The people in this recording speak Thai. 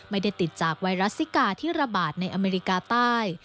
ไม่ได้ติดจากไวรัสซิกาที่ระบาดในอเมริกาใต้